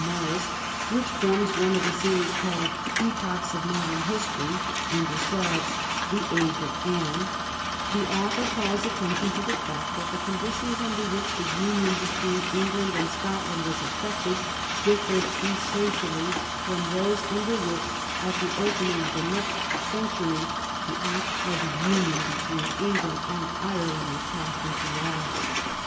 Morris, which forms one of the series called Epochs of Modem History, and describes " The Age of Anne," the author calls attention to the fact that the conditions under which the union between England and Scotland was effected differed essentially from those under which, at the opening of the next century, the act of union between England and Ireland was passed into law.